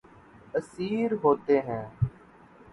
اسیر ہوتے ہیں